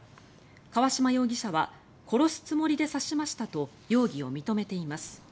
川島容疑者は殺すつもりで刺しましたと容疑を認めています。